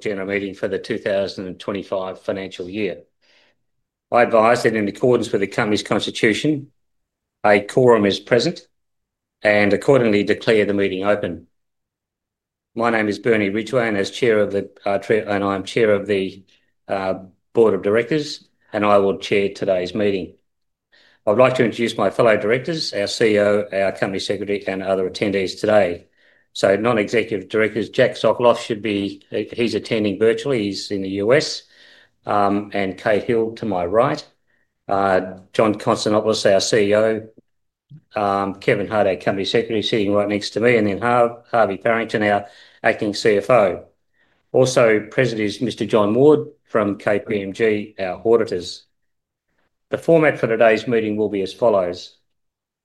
General meeting for the 2025 financial year. I advise that in accordance with the company's constitution, a quorum is present and accordingly declare the meeting open. My name is Bernie Ridgeway and I am Chair of the Board of Directors and I will chair today's meeting. I'd like to introduce my fellow directors, our CEO, our Company Secretary and other attendees today. Non-Executive Directors Jacque Sokolov should be, he's attending virtually, he's in the U.S., and Kate Hill to my right, John Constantlis, our CEO, Kevin Hart, our Company Secretary sitting right next to me, and then Harvey Parrington, our acting CFO. Also present is Mr. John Ward from KPMG, our auditors. The format for today's meeting will be as follows.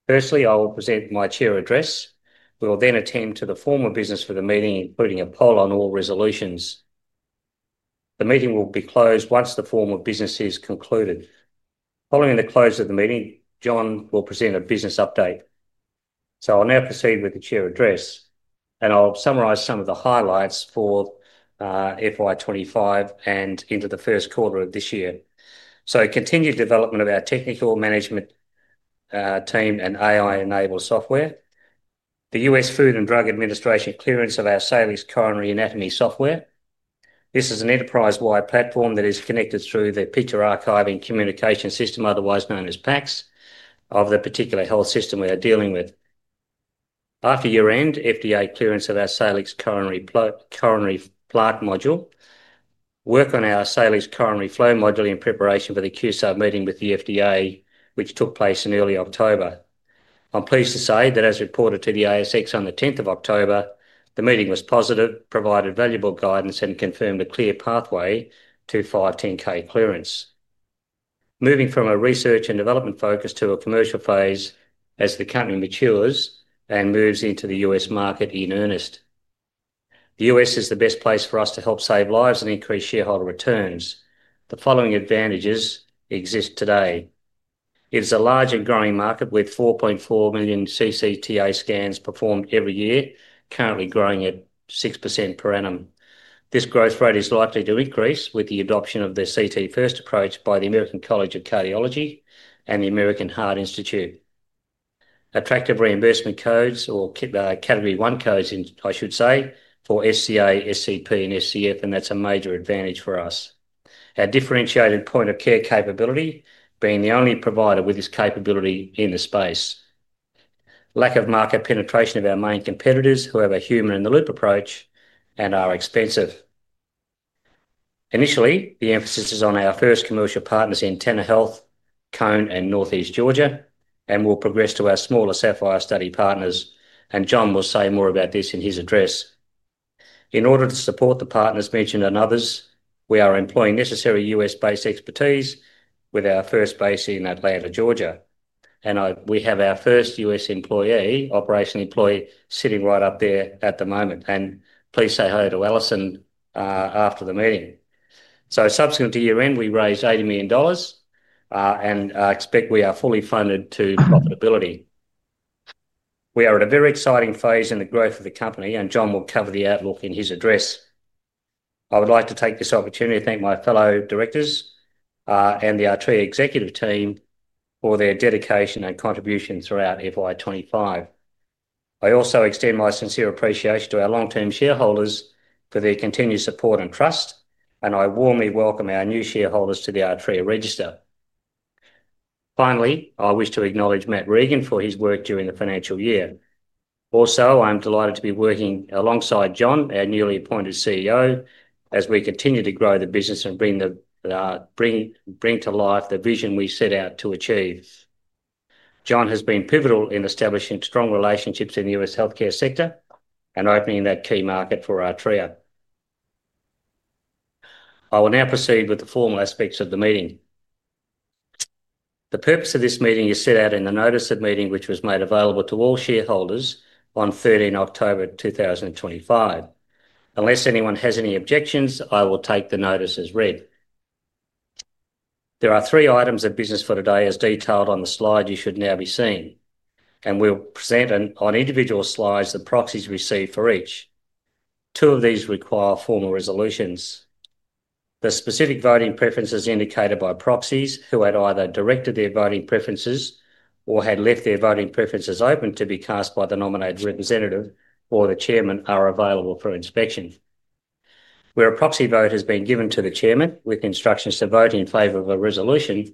Firstly, I will present my chair address. We will then attend to the formal business for the meeting, including a poll on all resolutions. The meeting will be closed once the form of business is concluded. Following the close of the meeting, John will present a business update. I'll now proceed with the chair address and I'll summarise some of the highlights for FY 2025 and into the first quarter of this year. Continued development of our technical management team and AI-enabled software, the U.S. Food and Drug Administration clearance of our Salix Coronary Anatomy software. This is an enterprise-wide platform that is connected through the Picture Archiving and Communication System, otherwise known as PACS, of the particular health system we are dealing with. After year-end FDA clearance of our Salix Coronary Plaque module, work on our Salix Coronary Flow module in preparation for the Q-Sub meeting with the FDA, which took place in early October. I'm pleased to say that as reported to the ASX on 10 October, the meeting was positive, provided valuable guidance and confirmed a clear pathway to 510(k) clearance, moving from a research and development focus to a commercial phase as the company matures and moves into the U.S. market in earnest. The U.S. is the best place for us to help save lives and increase shareholder returns. The following advantages exist today. It is a large and growing market with 4.4 million CCTA scans performed every year. Currently growing at 6% per annum. This growth rate is likely to increase with the adoption of the CT first approach by the American College of Cardiology and the American Heart Institute. Attractive reimbursement codes or category 1 codes I should say for SCA, SCP and SCF and that's a major advantage for us. Our differentiated point of care capability being the only provider with this capability in the space. Lack of market penetration of our main competitors who have a human in the loop approach and are expensive. Initially the emphasis is on our first commercial partners in Tanner Health, Cone Health, and Northeast Georgia and will progress to our smaller SAPPHIRE study partners and John will say more about this in his address. In order to support the partners mentioned and others, we are employing necessary U.S.-based expertise with our first base in Atlanta, Georgia, and we have our first U.S. employee, operations employee, sitting right up there at the moment, and please say hi to Alison after the meeting. Subsequent to year end, we raised 80 million dollars and expect we are fully funded to profitability. We are at a very exciting phase in the growth of the company and John will cover the outlook in his address. I would like to take this opportunity to thank my fellow directors and the Artrya Executive team for their dedication and contribution throughout FY 2025. I also extend my sincere appreciation to our long term shareholders and for their continued support and trust and I warmly welcome our new shareholders to the Artrya Register. Finally, I wish to acknowledge Matt Regan for his work during the financial year. Also, I'm delighted to be working alongside John, our newly appointed CEO as we continue to grow the business and bring to life the vision we set out to achieve. John has been pivotal in establishing strong relationships in the U.S. Healthcare sector and opening that key market for Artrya. I will now proceed with the formal aspects of the meeting. The purpose of this meeting is set out in the Notice of meeting which was made available to all shareholders on 13th October 2025. Unless anyone has any objections, I will take the notice as read. There are three items of business for today as detailed on the slide you should now be seeing and we'll present on individual slides the proxies received for each. Two of these require formal resolutions. The specific voting preferences indicated by proxies who had either directed their voting preferences or had left their voting preferences open to be cast by the nominated representative or the Chairman are available for inspection. Where a proxy vote has been given to the Chairman with instructions to vote in favor of a resolution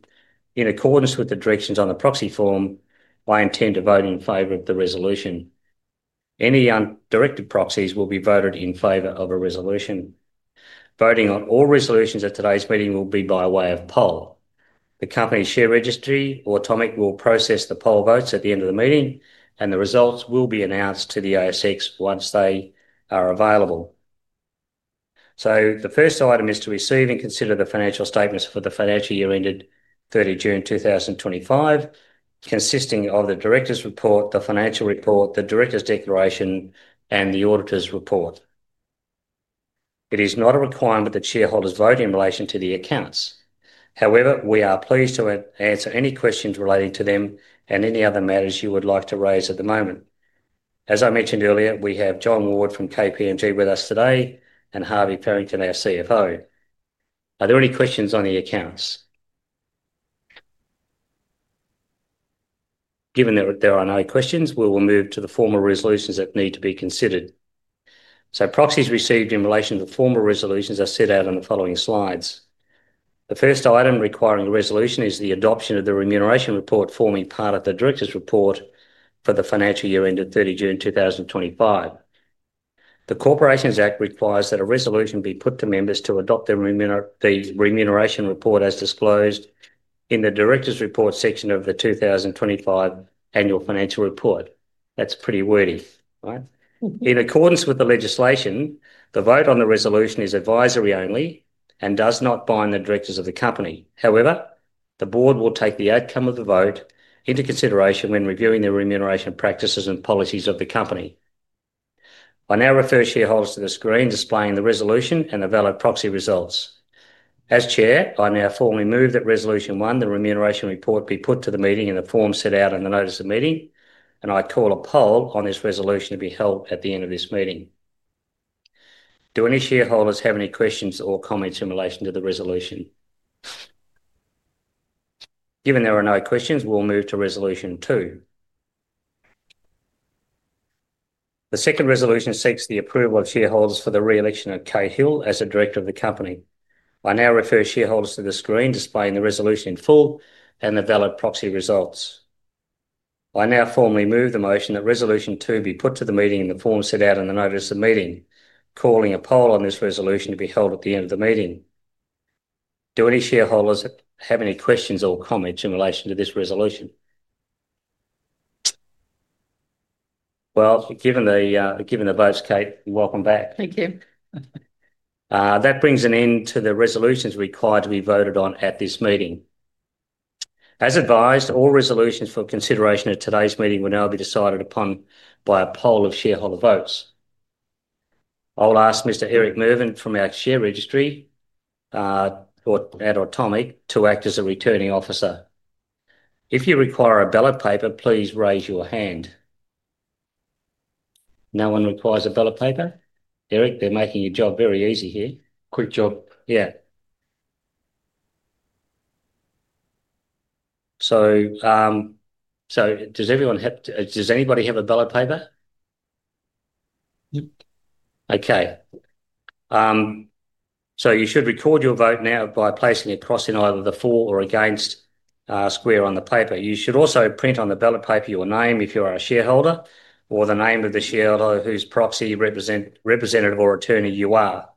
in accordance with the directions on the proxy form, I intend to vote in favor of the resolution. Any undirected proxies will be voted in favor of a resolution. Voting on all resolutions at today's meeting will be by way of poll. The Company Share Registry or Automic will process the poll votes at the end of the meeting and the results will be announced to the ASX once they are available. The first item is to receive and consider the financial statements for the financial year ended 30 June 2025, consisting of the Director's Report, the Financial Report, the Director's Declaration, and the Auditor's Report. It is not a requirement that shareholders vote in relation to the accounts. However, we are pleased to answer any questions relating to them and any other matters you would like to raise at the moment. As I mentioned earlier, we have John Ward from KPMG with us today and Harvey Parrington, our CFO. Are there any questions on the accounts? Given that there are no questions, we will move to the formal resolutions that need to be considered. Proxies received in relation to formal resolutions are set out on the following slides. The first item requiring resolution is the adoption of the remuneration report forming part of the Directors' report for the financial year end of 30 June 2025. The Corporations Act requires that a resolution be put to members to adopt the remuneration report as disclosed in the Directors' Report section of the 2025 Annual Financial Report. That's pretty wordy. In accordance with the legislation, the vote on the resolution is advisory only and does not bind the directors of the company. However, the board will take the outcome of the vote into consideration when reviewing the remuneration practices and policies of the company. I now refer shareholders to the screen displaying the resolution and the valid proxy results. As Chair, I now formally move that Resolution 1, the remuneration report, be put to the meeting in the form set out in the notice of meeting and I call a poll on this resolution to be held at the end of this meeting. Do any shareholders have any questions or comments in relation to the resolution? Given there are no questions, we'll move to Resolution 2. The second resolution seeks the approval of shareholders for the re-election of Kate Hill as the Director of the company. I now refer shareholders to the screen displaying the resolution in full and the valid proxy results. I now formally move the motion that Resolution 2 be put to the meeting in the form set out in the notice of meeting calling a poll on this resolution to be held at the end of the meeting. Do any shareholders have any questions or comments in relation to this resolution? Given the votes. Kate, welcome back. Thank you. That brings an end to the resolutions required to be voted on at this meeting. As advised, all resolutions for consideration at today's meeting will now be decided upon by a poll of shareholder votes. I will ask Mr. Eric Mervyn from our share registry at Automic to act as a returning officer. If you require a ballot paper, please raise your hand. No one requires a ballot paper, Eric. They're making your job very easy here. Quick job. Yeah. Does everyone have. Does anybody have a ballot paper? Okay, you should record your vote now by placing a cross in either the for or against square on the paper. You should also print on the ballot paper your name if you are a shareholder, or the name of the shareholder whose proxy, representative, or attorney you are.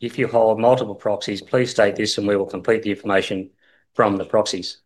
If you hold multiple proxies, please state this and we will complete the information from the proxies.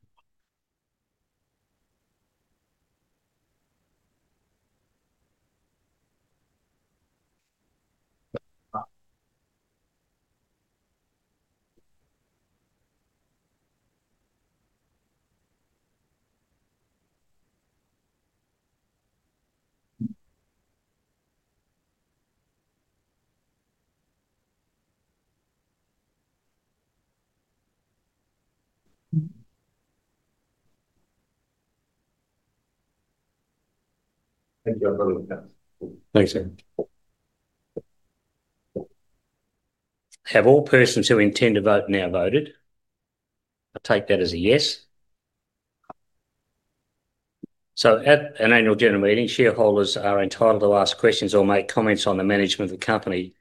Thank you. Thanks. Have all persons who intend to vote now voted? I take that as a yes. At an annual general meeting, shareholders are entitled to ask questions or make comments on the management of the company.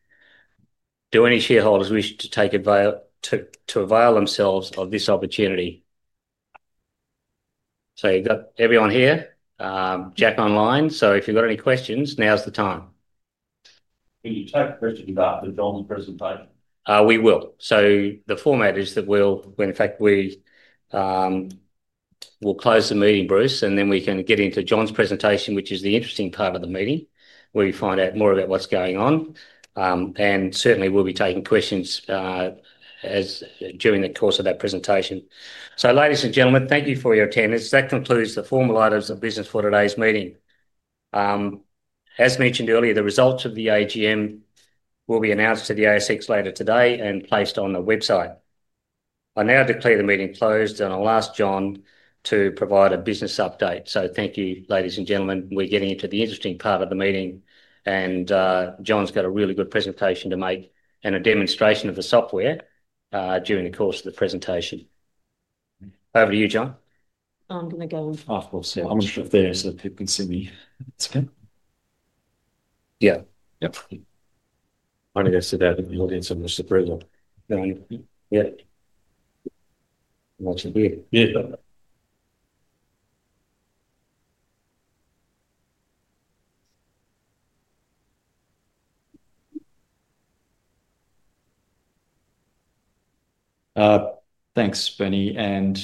Do any shareholders wish to take advantage to avail themselves of this opportunity? You have everyone here, Jacque, online. If you have any questions, now is the time. Can you take questions after John's presentation? We will. The format is that we'll, in fact, we'll close the meeting, Bruce, and then we can get into John's presentation, which is the interesting part of the meeting, where you find out more about what's going on. Certainly we'll be taking questions during the course of that presentation. Ladies and gentlemen, thank you for your attendance. That concludes the formal items of business for today's meeting. As mentioned earlier, the results of the AGM will be announced to the ASX later today and placed on the website. I now declare the meeting closed and I'll ask John to provide a business update. Thank you, ladies and gentlemen. We're getting into the interesting part of the meeting and John's got a really good presentation to make and a demonstration of the software during the course of the presentation. Over to you, John. I'm going to go. I'm going to shift there so people can see me. Yeah. I need to sit down in the audience. I'm just apprehensive. Thanks, Bernie, and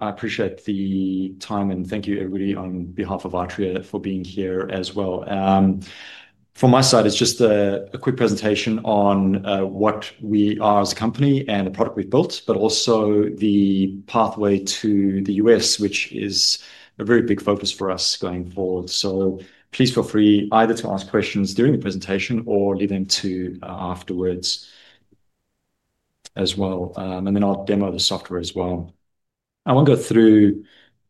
I appreciate the time and thank you everybody on behalf of Artrya for being here as well. From my side, it's just a quick presentation on what we are as a company and the product we've built, but also the pathway to the U.S. which is a very big focus for us going forward. Please feel free either to ask questions during the presentation or leave them to afterwards as well. Then I'll demo the software as well. I won't go through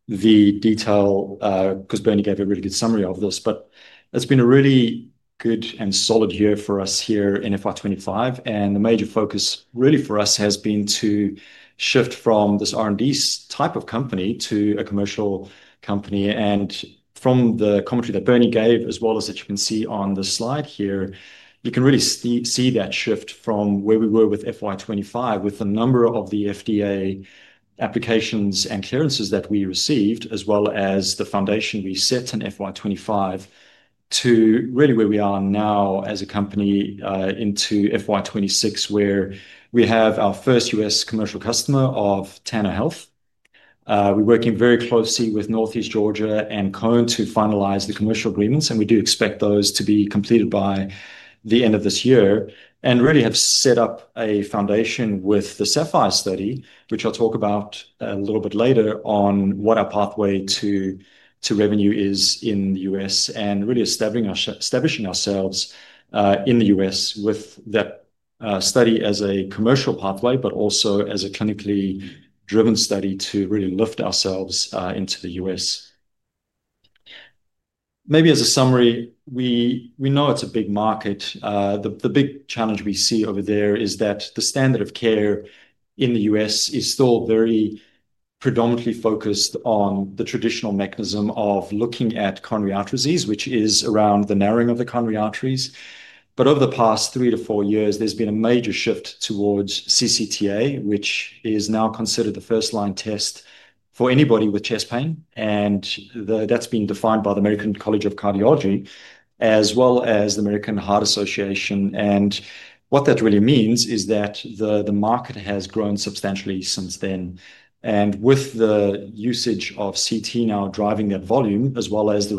the detail because Bernie gave a really good summary of this, but it's been a really good and solid year for us here in FY 2025, and the major focus really for us has been to shift from this R&D type of company to a commercial customer company. From the commentary that Bernie gave as well as that you can see on the slide here, you can really see that shift from where we were with FY 2025, with the number of the FDA applications and clearances that we received, as well as the foundation we set in FY 2025, to really where we are now as a company, into FY 2026, where we have our first U.S. commercial customer of Tanner Health. We're working very closely with Northeast Georgia and Cone to finalize the commercial agreements, and we do expect those to be completed by the end of this year and really have set up a foundation with the SAPPHIRE study, which I'll talk about a little bit later on what our pathway to revenue is in the U.S. and really establishing ourselves in the U.S. with that study as a commercial pathway, but also as a clinically driven study to really lift ourselves into the U.S.. Maybe as a summary, we know it's a big market. The big challenge we see over there is that the standard of care in the U.S. is still very predominantly focused on the traditional mechanism of looking at coronary artery disease, which is around the narrowing of the coronary arteries. Over the past three to four years, there's been a major shift towards CCTA, which is now considered the first line test for anybody with chest pain. That's been defined by the American College of Cardiology as well as the American Heart Association. What that really means is that the market has grown substantially since then. With the usage of CT now driving that volume, as well as the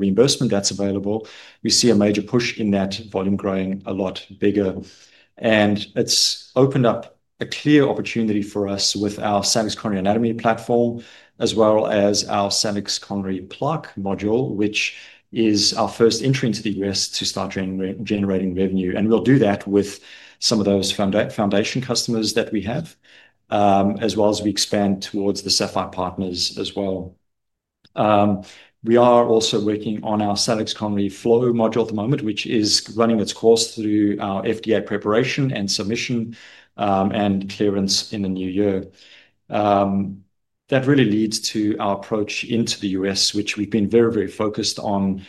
reimbursement that's available, we see a major push in that volume growing a lot bigger. It's opened up a clear opportunity for us with our Salix Coronary Anatomy platform, as well as our Salix Coronary Plaque module, which is our first entry into the U.S. to start generating revenue. We'll do that with some of those foundation customers that we have, as well as we expand towards the SAPPHIRE partners as well. We are also working on our Salix Coronary Flow module at the moment, which is running its course through our FDA preparation and submission and clearance in the new year. That really leads to our approach into the U.S. which we've been very, very focused on,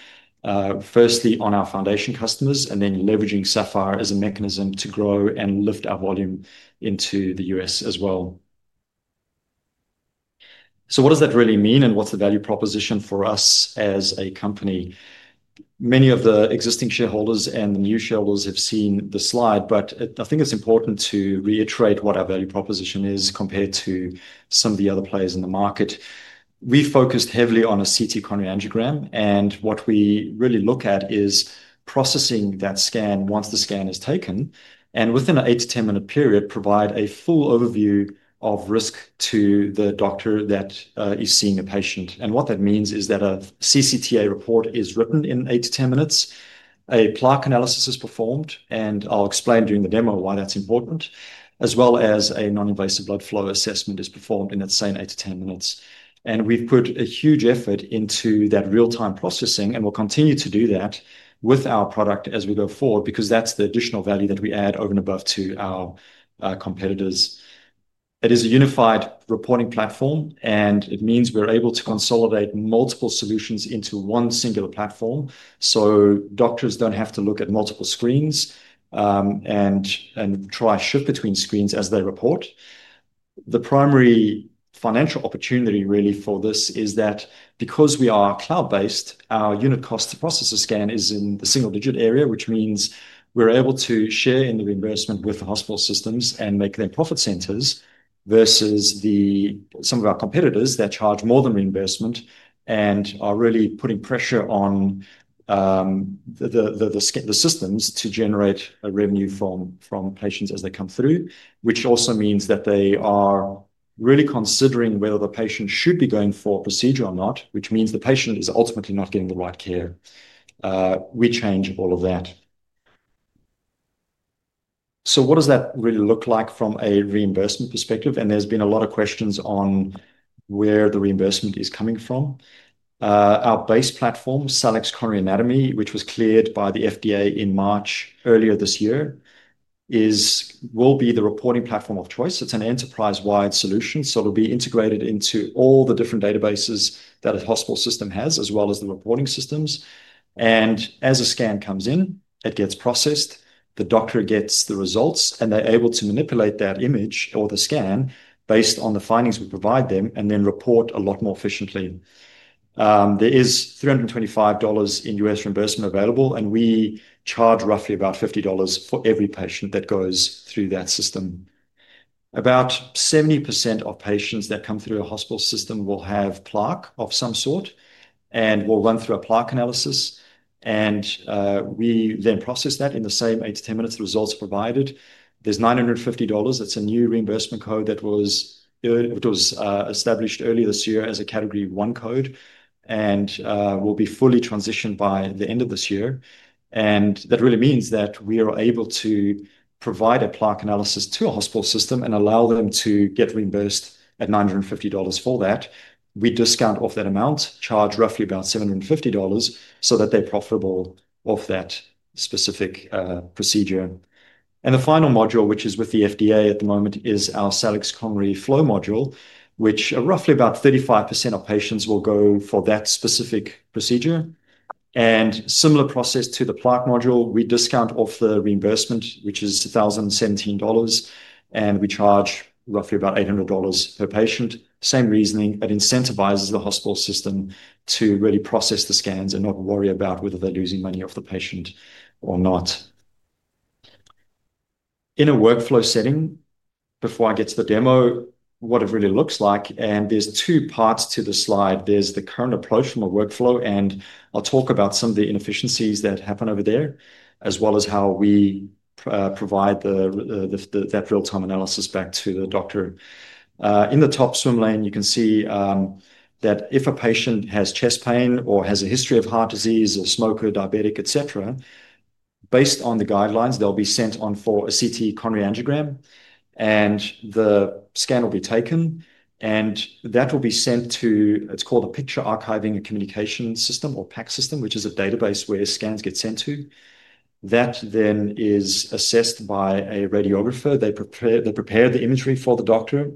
firstly on our foundation customers, and then leveraging SAPPHIRE as a mechanism to grow and lift our volume into the U.S. as well. What does that really mean and what's the value proposition for us as a company? Many of the existing shareholders and the new shareholders have seen the slide. I think it's important to reiterate what our value proposition is compared to some of the other players in the market. We focused heavily on a CT coronary angiogram and what we really look at is processing that scan once the scan is taken and within an eight to 10 minute period, provide a full overview of risk to the doctor that is seeing a patient. What that means is that a CCTA report is written in eight to 10 minutes, a plaque analysis is performed and I'll explain during the demo why that's important as well as a non-invasive blood flow assessment is performed in that same eight to 10 minutes. We have put a huge effort into that real-time processing and we'll continue to do that with our product as we go forward because that's the additional value that we add over and above to our competitors. It is a unified reporting platform and it means we're able to consolidate multiple solutions into one singular platform so doctors don't have to look at multiple screens and try shift between screens as they report. The primary financial opportunity really for this is that because we are cloud based, our unit cost to process a scan is in the single digit area, which means we're able to share in the reimbursement with the hospital systems and make them profit centers versus some of our competitors that charge more than reimbursement and are really putting pressure on the systems to generate revenue from patients as they come through. Which also means that they are really considering whether the patient should be going for procedure or not, which means the patient is ultimately not getting the right care. We change all of that. What does that really look like from a reimbursement perspective? There's been a lot of questions on where the reimbursement is coming from. Our base platform, Salix Coronary Anatomy, which was cleared by the FDA in March earlier this year, will be the reporting platform of choice. It's an enterprise-wide solution, so it'll be integrated into all the different databases that a hospital system has as well as the reporting systems. As a scan comes in, it gets processed, the doctor gets the results, and they're able to manipulate that image or the scan based on the findings we provide them and then report a lot more efficiently. There is $325 in U.S. reimbursement available and we charge roughly about $50 for every patient that goes through. About 70% of patients that come through a hospital system will have plaque of some sort and will run through a plaque analysis and we then process that in the same eight to ten minutes, the results provided. There's $950. That's a new reimbursement code that was established earlier this year as a Category 1 code and will be fully transitioned by the end of this year. That really means that we are able to provide a plaque analysis to a hospital system and allow them to get reimbursed at $950. For that, we discount off that amount, charge roughly about $750 so that they profitable of that specific procedure. The final module which is with the FDA at the moment is our Salix Coronary Flow module, which roughly about 35% of patients will go for that specific procedure and similar process to the plaque module. We discount off the reimbursement, which is $1,017, and we charge roughly about $800 per patient. Same reasoning. It incentivizes the hospital system to really process the scans and not worry about whether they're losing money off the patient or not in a workflow setting. Before I get to the demo, what it really looks like, and there's two parts to the slide. There's the current approach from a workflow, and I'll talk about some of the inefficiencies that happen over there as well as how we provide that real time analysis back to the doctor. In the top swim lane, you can see that if a patient has chest pain or has a history of heart disease, a smoker, diabetic, etc., based on the guidelines, they'll be sent on for a CT coronary angiogram, and the scan will be taken and that will be sent to. It's called a picture archiving and communication system or PACS, which is a database where scans get sent to that then is assessed by a radiographer. They prepare the imagery for the doctor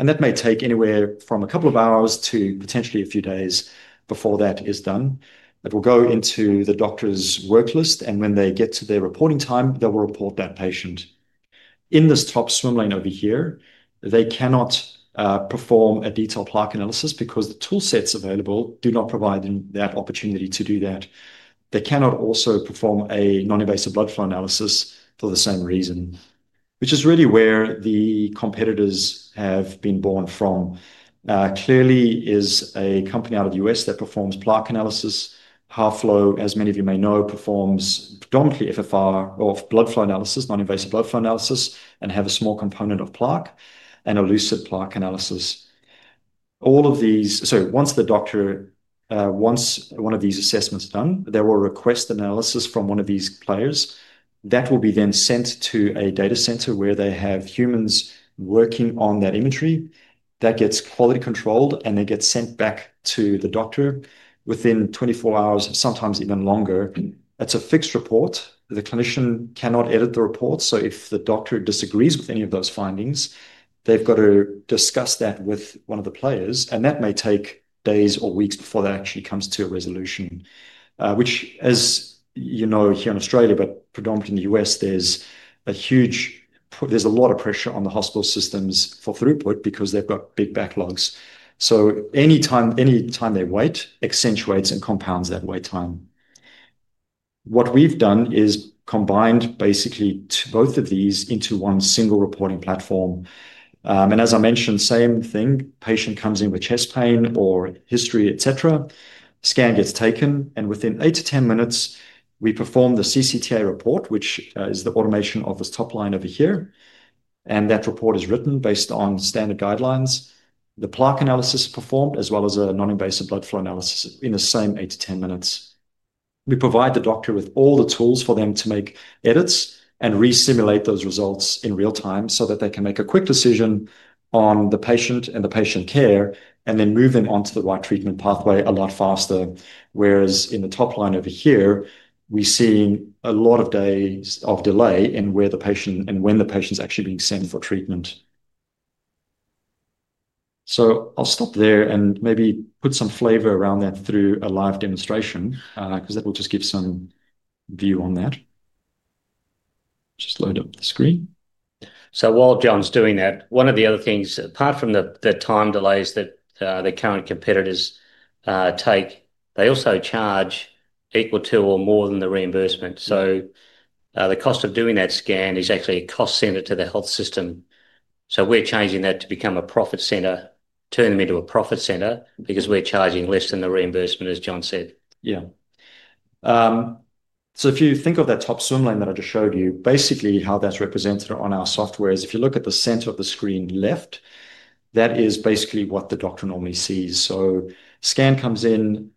and that may take anywhere from a couple of hours to potentially a few days. Before that is done, it will go into the doctor's work list and when they get to their reporting time, they will report that patient in this top swim lane over here. They cannot perform a detailed plaque analysis because the tool sets available do not provide them that opportunity to do that. They cannot also perform a non-invasive blood flow analysis for the same reason, which is really where the competitors have been born from. Clearly is a company out of the U.S. that performs plaque analysis. HeartFlow, as many of you may know, performs predominantly FFR or blood flow analysis, non-invasive blood flow analysis and have a small component of plaque and elucid plaque analysis, all of these. Once the doctor, once one of these assessments are done, they will request analysis from one of these players that will be then sent to a data center where they have humans working on that imagery that gets quality controlled and they get sent back to the doctor within 24 hours, sometimes even longer. It's a fixed report, the clinician cannot edit the report. If the doctor disagrees with any of those findings, they've got to discuss that with one of the players. That may take days or weeks before that actually comes to a resolution. Which as you know, here in Australia, but predominantly in the U.S. there's a huge, there's a lot of pressure on the hospital systems for throughput because they've got big backlogs. Any time they wait accentuates and compounds that wait time. What we've done is combined basically both of these into one single reporting platform. As I mentioned, same thing, patient comes in with chest pain or history, etc. Scan gets taken and within eight to 10 minutes we perform the CCTA report, which is the automation of this top line over here. That report is written based on standard guidelines. The plaque analysis performed as well as a non-invasive blood flow analysis in the same eight to ten minutes, we provide the doctor with all the tools for them to make edits and re-simulate those results in real time so that they can make a quick decision on the patient and the patient care and then move them onto the right treatment pathway a lot faster. Whereas in the top line over here, here we're seeing a lot of days of delay in where the patient and when the patient's actually being sent for treatment. I'll stop there and maybe put some flavor around that through a live demonstration because that will just give some view on that. Just load up the screen. While John's doing that, one of the other things, apart from the time delays that the current competitors take, they also charge equal to or more than the reimbursement. The cost of doing that scan is actually a cost center to the health system. We're changing that to become a profit center, turn them into a profit center, because we're charging less than the reimbursement, as John said. Yeah, so if you think of that top swim lane that I just showed you, basically how that's represented on our software is if you look at the center of the screen left, that is basically what the doctor normally sees. Scan comes in, patient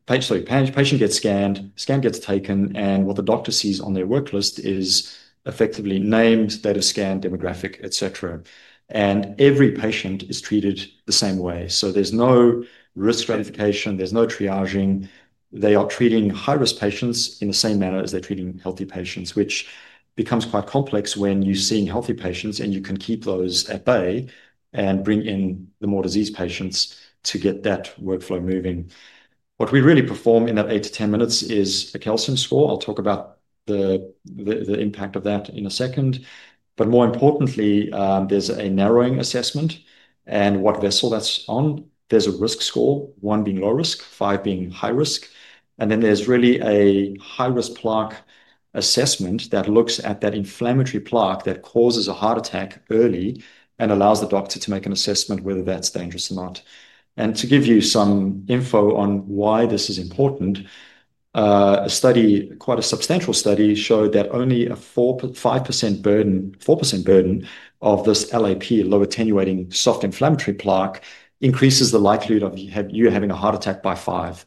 gets scanned, scan gets taken, and what the doctor sees on their work list is effectively named data scan, demographic, etc. Every patient is treated the same way. There is no risk stratification, there is no triaging. They are treating high risk patients in the same manner as they are treating healthy patients, which becomes quite complex when you are seeing healthy patients. You can keep those at bay and bring in the more diseased patients to get that workflow moving. What we really perform in that eight to 10 minutes is a calcium score. I'll talk about the impact of that in a second. More importantly, there is a narrowing assessment and what vessel that is on. There is a risk score, one being low risk, five being high risk. Then there is really a high risk plaque assessment that looks at that inflammatory plaque that causes a heart attack early and allows the doctor to make an assessment whether that is dangerous or not. Not. To give you some info on why this is important, a study, quite a substantial study, showed that only a 4%-5% burden, 4% burden of this LAP, low attenuating soft inflammatory plaque, increases the likelihood of you having a heart attack by five.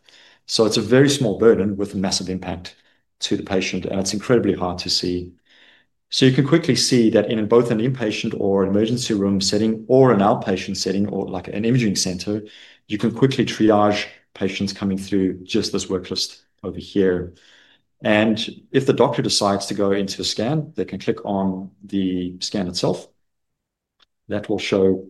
It is a very small burden with massive impact to the patient. It is incredibly hard to see. You can quickly see that in both an inpatient or emergency room setting or an outpatient setting, or like an imaging center, you can quickly treat patients coming through just this worklist over here. If the doctor decides to go into a scan, they can click on the scan itself. That will show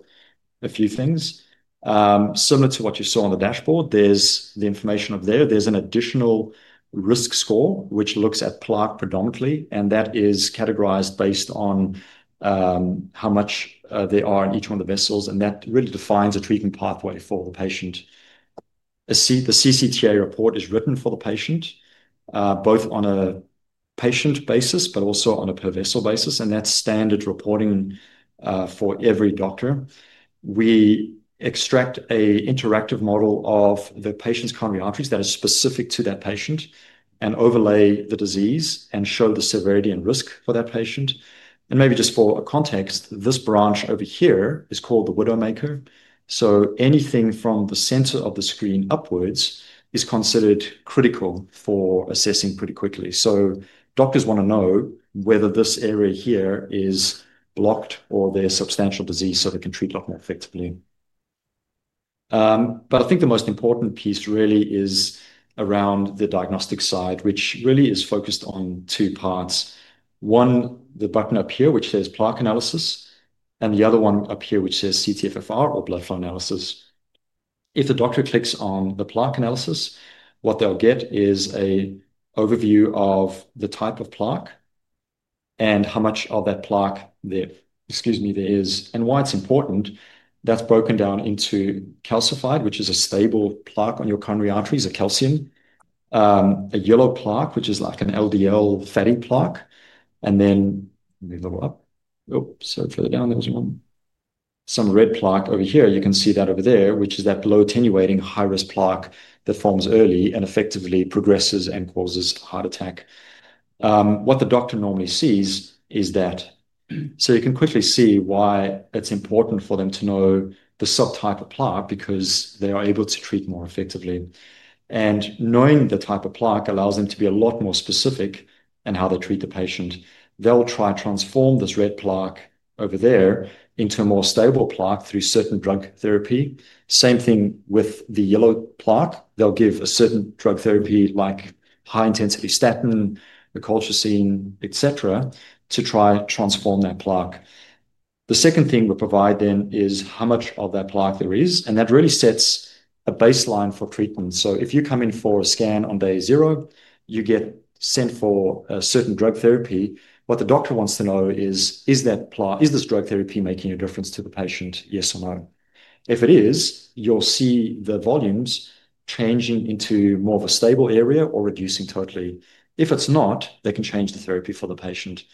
a few things similar to what you saw on the dashboard. There is the information up there. There's an additional risk score which looks at plaque predominantly and that is categorized based on how much they are in each one of the vessels. That really defines a treatment pathway for the patient. The CCTA report is written for the patient, both on a patient basis, but also on a per vessel basis. That's standard reporting for every doctor. We extract an interactive model of the patient's coronary arteries that are specific to that patient and overlay the disease and show the severity and risk for that patient. Maybe just for context, this branch over here is called the widowmaker. Anything from the center of the screen upwards is considered critical for assessing pretty quickly. Doctors want to know whether this area here is blocked or there's substantial disease so they can treat a lot more effectively. I think the most important piece really is around the diagnostic side, which really is focused on two parts. One, the button up here, which says Plaque analysis, and the other one up here which says CT-FFR or blood flow analysis. If the doctor clicks on the plaque analysis, what they'll get is an overview of the type of plaque and how much of that plaque there is and why it's important. That's broken down into calcified, which is a stable plaque on your coronary arteries, a calcium, a yellow plaque, which is like an LDL fatty plaque. And then further down there was one, some red plaque over here, you can see that over there, which is that low attenuating high risk plaque that forms early and effectively progresses and causes heart attack. What the doctor normally sees is that you can quickly see why it's important for them to know the subtype of plaque because they are able to treat more effectively. Knowing the type of plaque allows them to be a lot more specific in how they treat the patient. They'll try to transform this red plaque over there into a more stable plaque through certain drug therapy. Same thing with the yellow plaque. They'll give a certain drug therapy like high intensity statin, the colchicine, et cetera, to try to transform that plaque. The second thing we provide then is how much of that plaque there is. That really sets a baseline for treatment. If you come in for a scan on day zero, you get sent for a certain drug therapy. What the doctor wants to know is is this drug therapy making a difference to the patient? Yes or no? If it is, you'll see the volumes changing into more of a stable area or reducing totally. If it's not, they can change the therapy for the patient.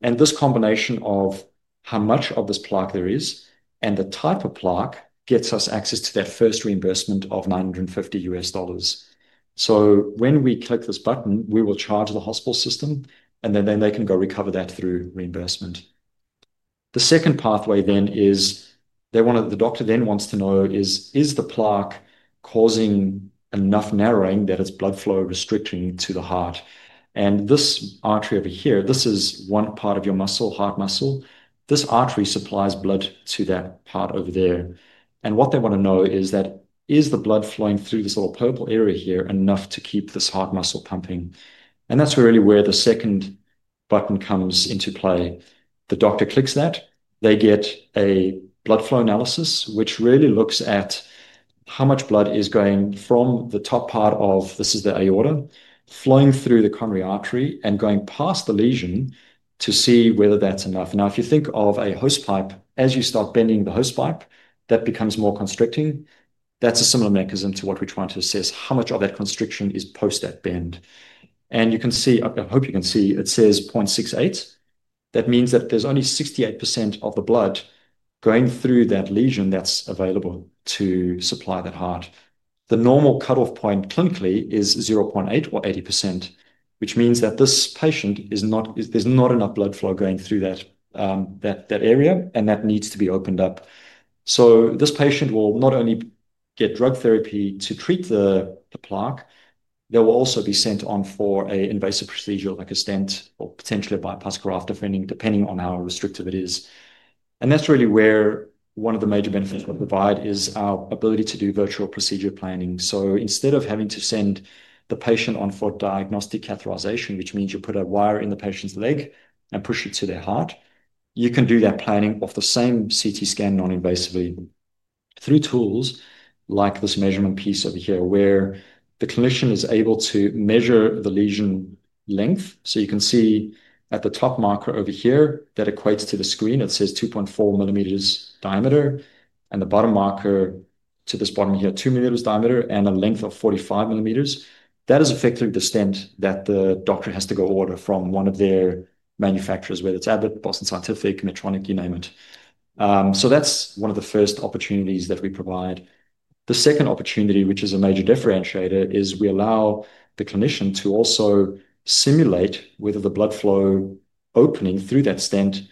This combination of how much of this plaque there is and the type of plaque gets us access to that first reimbursement of $950. When we click this button, we will charge the hospital system and then they can go recover that through reimbursement. The second pathway is the doctor then wants to know is the plaque causing enough narrowing that it's blood flow restricting to the heart? This artery over here, this is one part of your heart muscle, this artery supplies blood to that part over there. What they want to know is that is the blood flowing through this little purple area here enough to keep this heart muscle pumping. That is really where the second button comes into play. The doctor clicks that, they get a blood flow analysis which really looks at how much blood is going from the top. Part of this is the aorta flowing through the coronary artery and going past the lesion to see whether that is enough. Now if you think of a hose pipe, as you start bending the hose pipe, that becomes more constricting. That is a similar mechanism to what we are trying to assess, how much of that constriction is post that bend. You can see, I hope you can see it says 0.68. That means that there is only 68% of the blood going through that lesion that is available to supply that heart. The normal cutoff point clinically is 0.8 or 80%, which means that this patient is not, there's not enough blood flow going through that area and that needs to be opened up. This patient will not only get drug therapy to treat the plaque, they will also be sent on for an invasive procedure like a stent or potentially a bypass graft, depending on how restrictive it is. That's really where one of the major benefits we will provide is our ability to do virtual procedure planning. Instead of having to send the patient on for diagnostic catheterization, which means you put a wire in the patient's leg and push it to their heart, you can do that planning of the same CT scan non-invasively through tools like this measurement piece over here where the clinician is able to measure the lesion length. You can see at the top marker over here that equates to the screen, it says 2.4 ml diameter. The bottom marker to this bottom here, 2 ml diameter and a length of 45 ml. That is effectively the stent that the doctor has to go order from one of their manufacturers, whether it's Abbott, Boston Scientific, Medtronic, you name it. That is one of the first opportunities that we provide. The second opportunity, which is a major differentiator, is we allow the clinician to also simulate whether the blood flow opening through that stent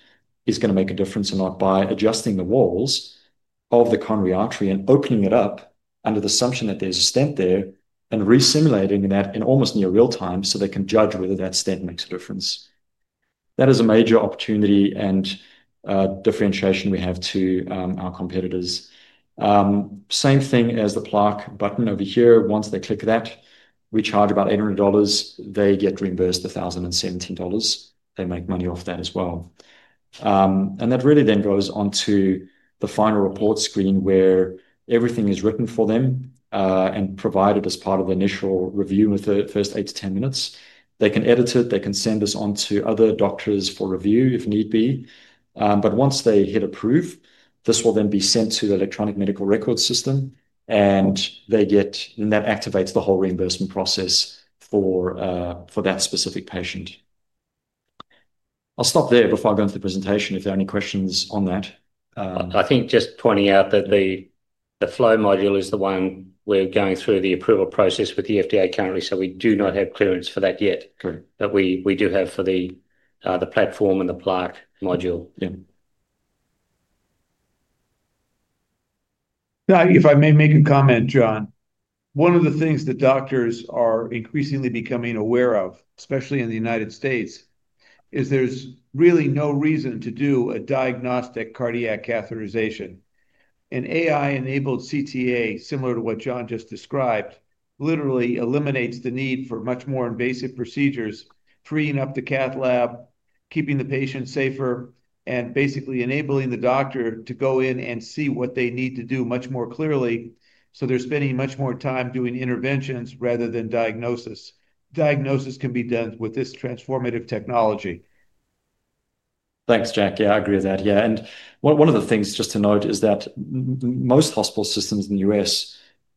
is going to make a difference or not by adjusting the walls of the coronary artery and opening it up under the assumption that there's a stent there and re-simulating that in almost near real time so they can judge whether that stent makes a difference. That is a major opportunity and differentiation we have to our competitors. Same thing as the plaque button over here. Once they click that, we charge about $800, they get reimbursed $1,017. They make money off that as well. That really then goes on to the final report screen where everything is written for them and provided as part of the initial review. Within the first eight to 10 minutes, they can edit it. They can send this on to other doctors for review if need be. Once they hit approve, this will then be sent to the electronic medical records system and they get. That activates the whole reimbursement process for that specific patient. I'll stop there before I go into the presentation if there are any questions on that. I think just pointing out that the flow module is the one. We're going through the approval process with the FDA currently, so we do not have clearance for that yet. We do have for the platform and the plaque module. If I may make a comment, John, one of the things that doctors are increasingly becoming aware of, especially in the United States, is there's really no reason to do a diagnostic cardiac catheterization. An AI-enabled CTA similar to what John just described literally eliminates the need for much more invasive procedures, freeing up the cath lab, keeping the patient safer, and basically enabling the doctor to go in and see what they need to do much more clearly. They are spending much more time doing interventions rather than diagnosis. Diagnosis can be done with this transformative technology. Thanks, Jacque. Yeah, I agree with that. Yeah. One of the things just to note is that most hospital systems in the U.S.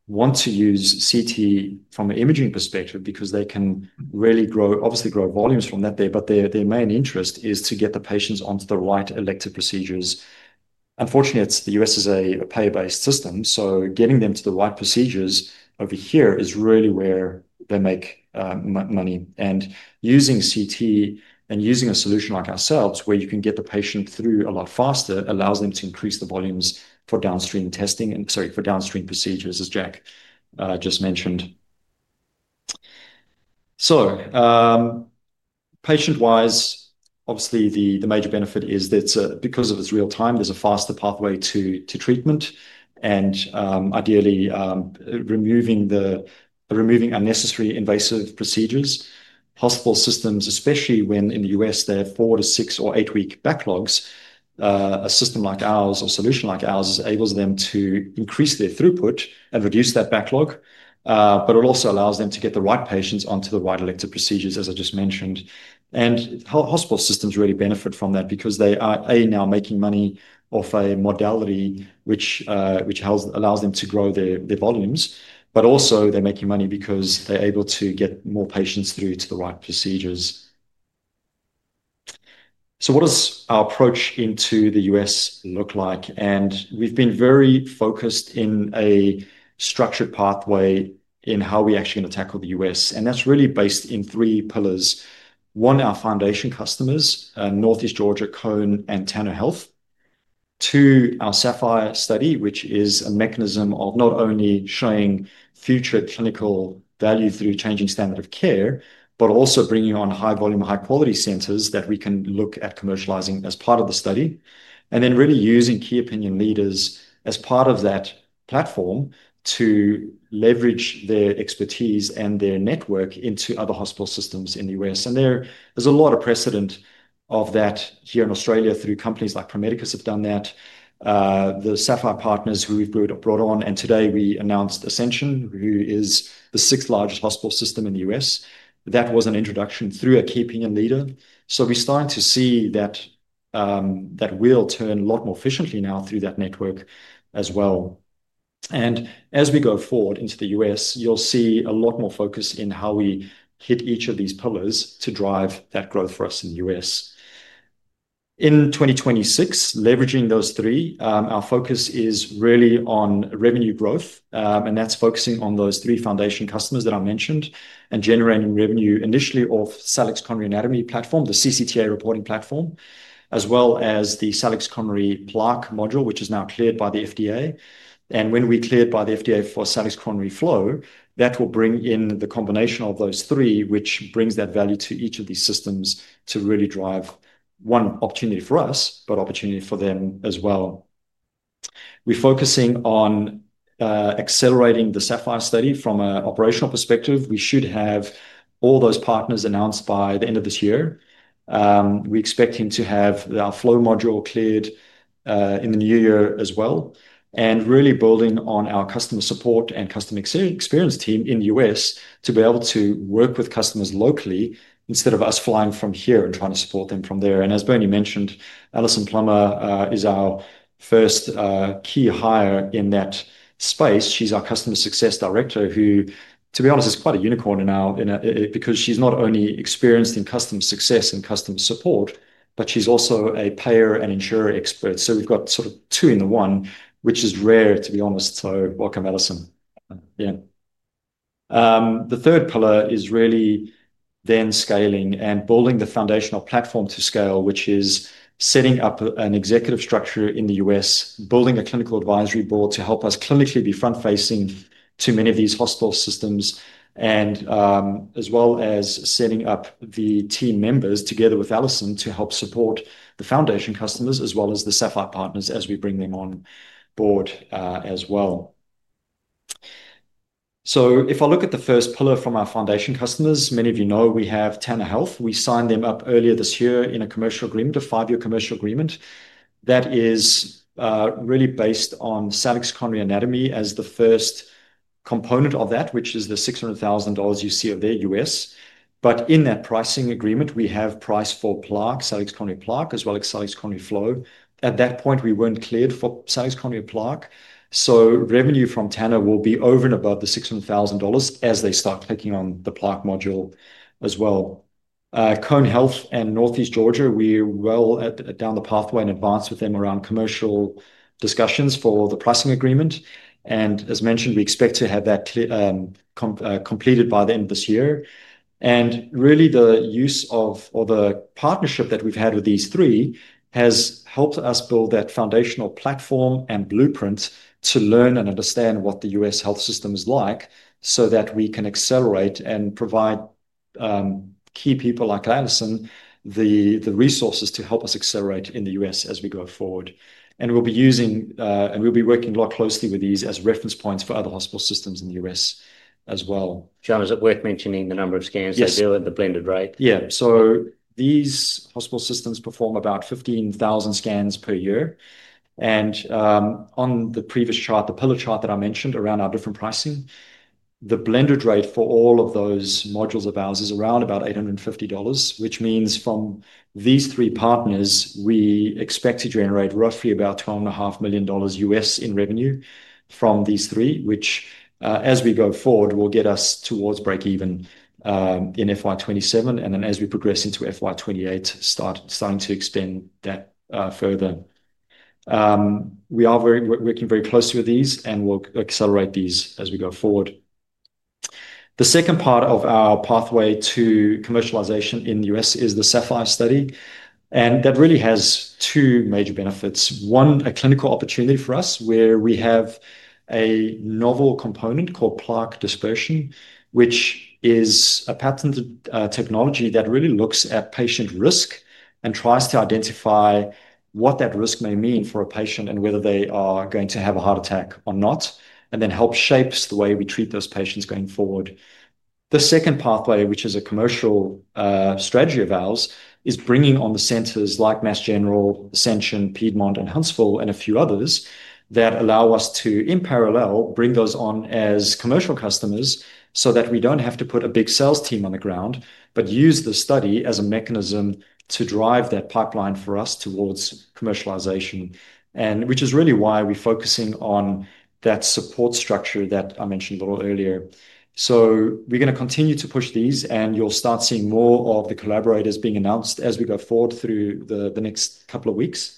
want to use CT from an imaging perspective because they can really grow, obviously grow volumes from that there. Their main interest is to get the patients onto the right elective procedures. Unfortunately, the U.S. is a pay based system. Getting them to the right procedures over here is really where they make money. Using CT and using a solution like ourselves where you can get the patient through a lot faster allows them to increase the volumes for downstream testing and sorry for downstream procedures as Jacque just mentioned. Patient wise, obviously the major benefit is that because of its real time, there is a faster pathway to treatment and ideally removing unnecessary invasive procedures. Hospital systems, especially when in the U.S. they have four- to six- or eight-week backlogs. A system like ours or solution like ours enables them to increase their throughput and reduce that backlog, but it also allows them to get the right patients onto the right elective procedures as I just mentioned. Hospital systems really benefit from that because they are now making money off a modality which allows them to grow their volumes, but also they're making money because they're able to get patients through to the right procedures. What does our approach into the U.S. look like? We've been very focused in a structured pathway in how we are actually going to tackle the U.S., and that's really based in three pillars. One, our foundation customers, Northeast Georgia, Cone, and Tanner Health; two. Our SAPPHIRE study, which is a mechanism of not only showing future clinical value through changing standard of care, but also bringing on high volume, high quality centers that we can look at commercializing as part of the study and then really using key opinion leaders as part of that platform to leverage their expertise and their network into other hospital systems in the U.S., and there is a lot of precedent of that here in Australia through companies like Pro Medicus have done that. The SAPPHIRE partners who we've brought on, and today we announced Ascension, who is the sixth largest hospital system in the U.S., that was an introduction through a key opinion leader. We are starting to see that wheel turn a lot more efficiently now through that network as well. As we go forward into the U.S., you'll see a lot more focus in how we hit each of these pillars to drive that growth for us in the U.S. in 2026. Leveraging those three, our focus is really on revenue growth and that's focusing on those three foundation customers that I mentioned and generating revenue initially off Salix Coronary Anatomy platform, the CCTA reporting platform, as well as the Salix Coronary Plaque module, which is now cleared by the FDA. When we are cleared by the FDA for Salix Coronary Flow, that will bring in the combination of those three, which brings that value to each of these systems to really drive one opportunity for us, but opportunity for them as well. We're focusing on accelerating the SAPPHIRE study from an operational perspective. We should have all those partners announced by the end of this year. We expect him to have our flow module cleared in the new year as well. Really building on our customer support and customer experience team in the U.S. to be able to work with customers locally instead of us flying from here and trying to support them from there. As Bernie mentioned, Alison Plummer is our first key hire in that space. She's our Customer Success Director who to be honest is quite a unicorn in our because she's not only experienced in customer success and customer support, but she's also a payer and insurer expert. We've got sort of two in the one which is rare to be honest. Welcome Alison. Yeah, the third pillar is really then scaling and building the foundational platform to scale, which is setting up an executive structure in the U.S., building a clinical advisory board to help us clinically be front facing to many of these hospital systems, as well as setting up the team members together with Alison to help support the foundation customers as well as the SAPPHIRE partners as we bring them on board as well. If I look at the first pillar from our foundation customers, many of you know we have Tanner Health, we signed them up earlier this year in a commercial agreement, a five-year commercial agreement that is really based on Salix Coronary Anatomy as the first component of that, which is the $600,000 you see of their U.S., but in that pricing agreement we have price for plaque, Salix Coronary Plaque as well as Salix Coronary Flow. At that point we were not cleared for Salix Coronary Plaque. Revenue from Tanner will be over and above the $600,000 as they start clicking on the plaque module as well. Cone Health and Northeast Georgia, we are well down the pathway in advance with them around commercial discussions for the pricing agreement. As mentioned, we expect to have that completed by the end of this year. The use of or the partnership that we've had with these three has helped us build that foundational platform and blueprint to learn and understand what the U.S. health system is like so that we can accelerate and provide key people like Alison the resources to help us accelerate in the U.S. as we go forward. We'll be using and we'll be working closely with these as reference points for other hospital systems in the U.S. as well. John, is it worth mentioning the number of scans they do at the blended rate? Yeah. So these hospital systems perform about 15,000 scans per year. On the previous chart, the pillow chart that I mentioned around our different pricing, the blended rate for all of those modules of ours is around about $850. Which means from these three partners we expect to generate roughly about $12.5 million in revenue from these three, which as we go forward will get us towards break even in FY 2027. As we progress into FY 2028, we start signing to expand that further. We are working very closely with these and we'll accelerate these as we go forward. The second part of our pathway to commercialization in the U.S. is the SAPPHIRE study. That really has two major benefits. One, a clinical opportunity for us where we have a novel component called Plaque Dispersion, which is a patented technology that really looks at patient risk and tries to identify what that risk may mean for a patient and whether they are going to have a heart attack or not, and then help shapes the way we treat those patients going forward. The second pathway, which is a commercial strategy of ours, is bringing on the centers like Massachusetts General Hospital, Ascension, Piedmont Healthcare and Huntsville Hospital and a few others that allow us to in parallel bring those on as commercial customers, so that we do not have to put a big sales team on the ground, but use the study as a mechanism to drive that pipeline for us towards commercialization. That is really why we are focusing on that support structure that I mentioned a little earlier. We're going to continue to push these and you'll start seeing more of the collaborators being announced as we go forward through the next couple of weeks.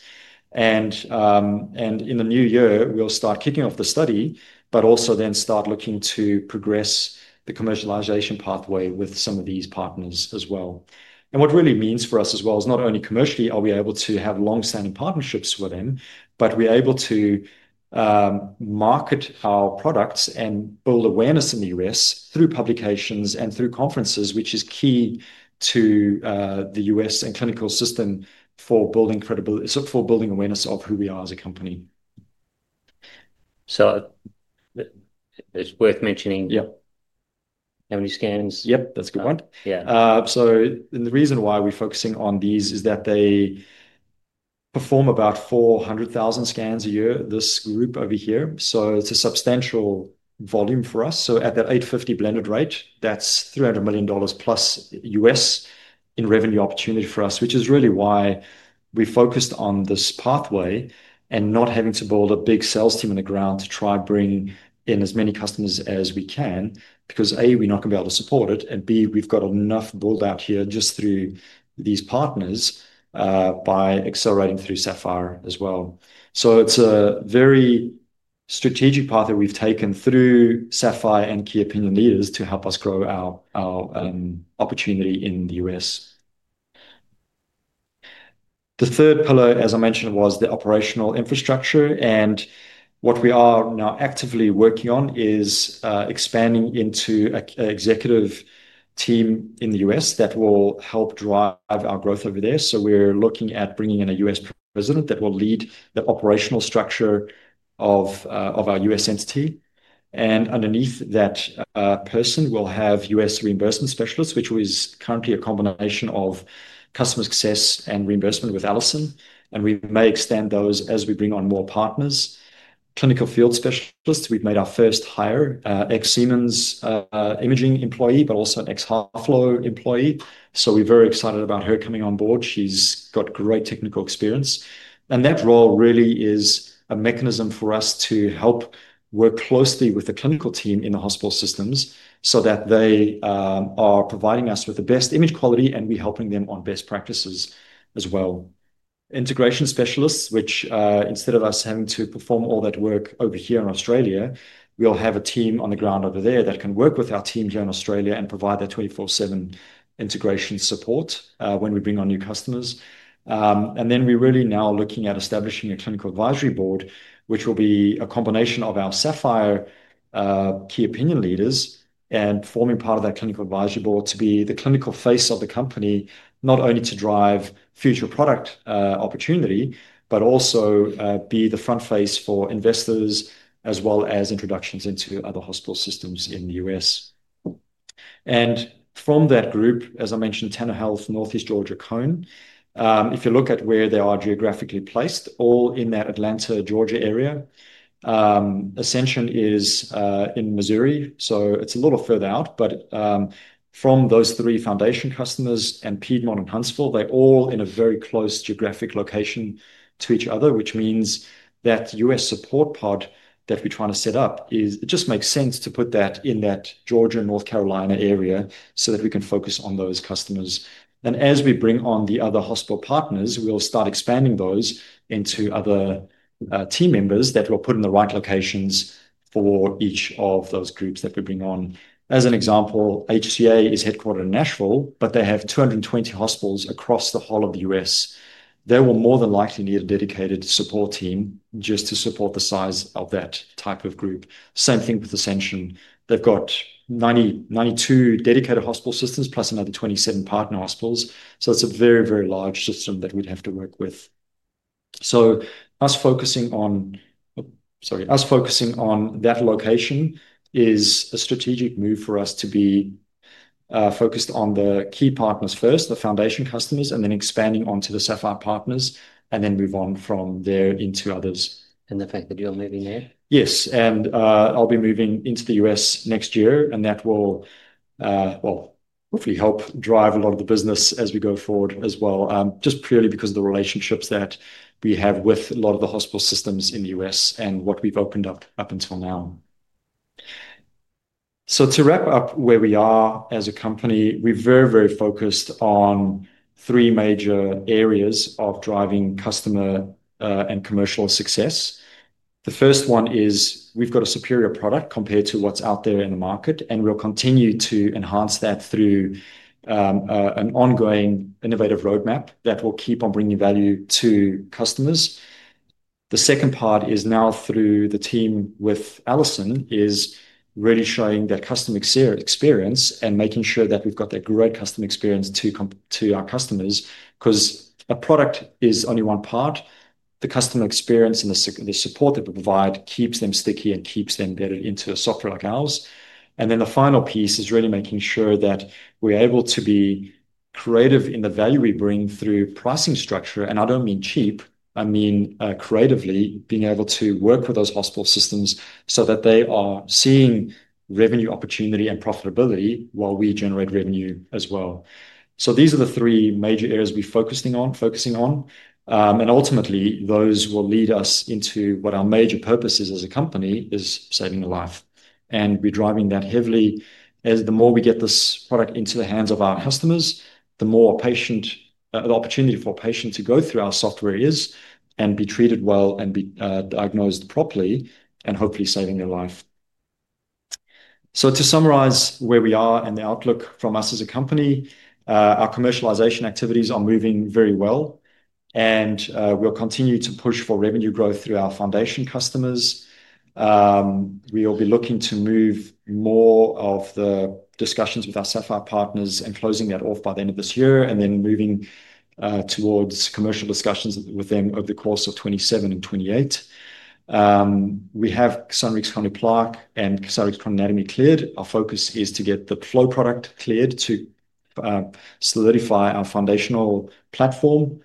In the new year we'll start kicking off the study, but also then start looking to progress the commercialization pathway with some of these partners as well. What it really means for us as well is not only commercially are we able to have long-standing partnerships with them, but we're able to market our products and build awareness in the U.S. through publications and through conferences, which is key to the U.S. and clinical system for building credibility, for building awareness of who we are as a company. It's worth mentioning how many scans? Yep, that's a good one. Yeah. The reason why we're focusing on these is that they perform about 400,000 scans a year, this group over here. It's a substantial volume for us. At that $850 blended rate, that's $300+ million in revenue opportunity for us, which is really why we focused on this pathway and not having to build a big sales team on the ground to try to bring in as many customers as we can because A, we're not gonna be able to support it and B, we've got enough build out here just through these partners by accelerating through SAPPHIRE as well. It's a very strategic path that we've taken through SAPPHIRE and key opinion leaders to help us grow our opportunity in the U.S.. The third pillar, as I mentioned, was the operational infrastructure. What we are now actively working on is expanding into executive team in the U.S. that will help drive our growth over there. We are looking at bringing in a U.S. President that will lead the operational structure of our U.S. entity. Underneath that person we will have U.S. reimbursement specialists, which is currently a combination of customer success and reimbursement with Alison. We may extend those as we bring on more partners. Clinical field specialists. We have made our first hire, ex-Siemens Healthineers employee, but also an ex-HeartFlow employee. We are very excited about her coming on board. She has great technical experience and that role really is a mechanism for us to help work closely with the clinical team in the hospital systems so that they are providing us with the best image quality, and we are helping them on best practices as well. Integration specialists, which instead of us having to perform all that work over here in Australia, we'll have a team on the ground over there that can work with our team here in Australia and provide that 24/7 integration support when we bring on new customers. We really now are looking at establishing a clinical advisory board, which will be a combination of our SAPPHIRE key opinion leaders and forming part of that clinical advisory board to be the clinical face of the company, not only to drive future product opportunity, but also be the front face for investors as well as introductions into other hospital systems in the U.S.. From that group, as I mentioned, Tanner Health, Northeast Georgia, Cone, if you look at where they are geographically placed, all in that Atlanta, Georgia area, Ascension is in Missouri, so it's a little further out. From those three foundation customers and Piedmont and Huntsville, they're all in a very close geographic location to each other, which means that U.S. Support podcast that we're trying to set up just makes sense to put that in that Georgia, North Carolina area so that we can focus on those customers. As we bring on the other hospital partners, we'll start expanding those into other team members that are put in the right locations for each of those groups that we bring on. As an example, HCA is headquartered in Nashville, but they have 220 hospitals across the whole of the U.S. They will more than likely need a dedicated support team just to support the size of that type of group. Same thing with Ascension. They've got 90, 92 dedicated hospital systems plus another 27 partner hospitals. It's a very, very large system that we'd have to work with. Us focusing on, sorry, us focusing on that location is a strategic move for us to be focused on the key partners first, the foundation customers, and then expanding onto the SAPPHIRE partners and then move on from there into others. The fact that you're moving there. Yes, and I'll be moving into the U.S. next year, and that will, hopefully, help drive a lot of the business as we go forward as well, just purely because of the relationships that we have with a lot of the hospital systems in the U.S. and what we've opened up up until now. To wrap up where we are as a company, we're very, very focused on three major areas of driving customer and commercial success. The first one is we've got a superior product compared to what's out there in the market, and we'll continue to enhance that through an ongoing, innovative roadmap that will keep on bringing value to customers. The second part is now through the team with Alison is really showing that customer experience and making sure that we've got that great customer experience to compliance to our customers. Because a product is only one part. The customer experience and the support that we provide keeps them sticky and keeps them better into a software like ours. The final piece is really making sure that we're able to be creative in the value we bring through pricing structure. I don't mean cheap, I mean creatively being able to work with those hospital systems so that they are seeing revenue opportunity and profitability while we generate revenue as well. These are the three major areas we're focusing on. Ultimately those will lead us into what our major purpose is as a company, which is saving a life. We're driving that heavily as the more we get this product into the hands of our customers, the more opportunity for patients to go through our software and be treated well and be diagnosed properly and hopefully saving their life. To summarize where we are and the outlook from us as a company, our commercialization activities are moving very well and we'll continue to push for revenue growth through our foundation customers. We will be looking to move more of the discussions with our SAPPHIRE partners and closing that off by the end of this year and then moving towards commercial discussions with them over the course of 2027 and 2028. We have Salix Coronary Plaque and Salix Coronary Anatomy cleared. Our focus is to get the flow product cleared to solidify our foundational platform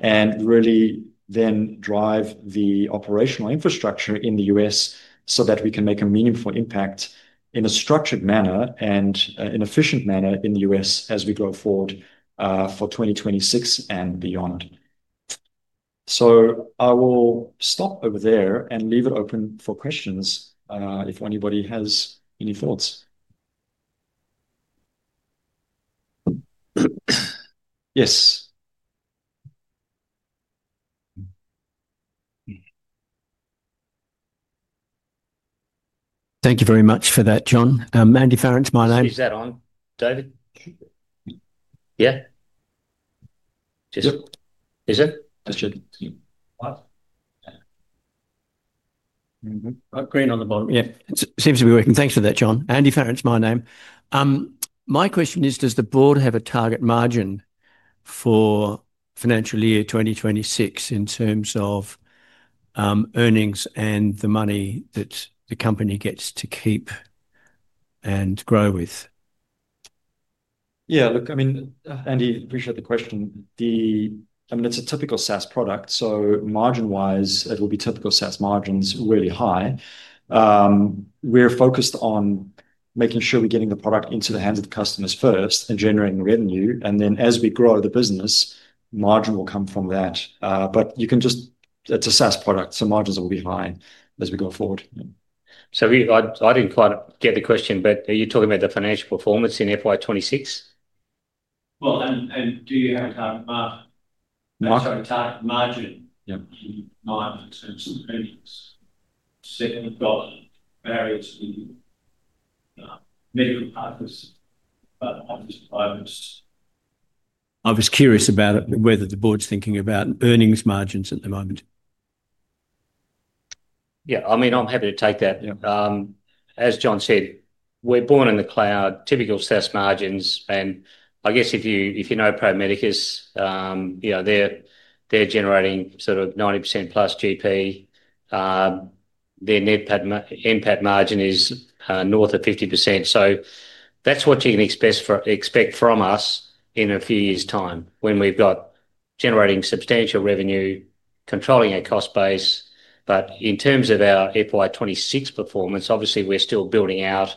and really then drive the operational infrastructure in the U.S. so that we can make a meaningful impact in a structured manner and an efficient manner in the U.S. as we go forward for 2026 and beyond. I will stop over there and leave it open for questions if anybody has any thoughts. Yes. Thank you very much for that, John. Andy Farrance. My name. Is that on David? Yeah. Is it green on the bottom? Yeah, it seems to be working. Thanks for that, John. Andy Farrance. My name. My question is, does the board have? A target margin for financial year 2026 in terms of earnings and the money that the company gets to keep and grow with? Yeah, look, I mean, Andy, appreciate the question. The. I mean, it's a typical SaaS product. Margin wise, it will be typical SaaS margins, really high. We're focused on making sure we're getting the product into the hands of the customers first and generating revenue. As we grow, the business margin will come from that, but you can just, it's a SaaS product so margins will be high as we go forward. I didn't quite get the question, but you're talking about the financial performance in FY 2026. Do you have a target margin in terms of earnings? Second, got barriers, medical partners. I was curious about whether the board's thinking about earnings margins at the moment. Yeah, I mean I'm happy to take that. As John said, we're born in the cloud. Typical SaaS margins. I guess if you, if you know Pro Medicus, you know they're, they're generating sort of 90%+ GP. Their net NPAT margin is north of 50%. That is what you can expect for, expect from us in a few years time when we've got generating substantial revenue, controlling our cost base. In terms of our FY 2026 performance, obviously we're still building out